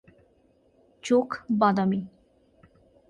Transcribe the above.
চোখ বাদামি।